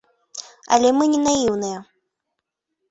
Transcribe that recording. Але мы не наіўныя.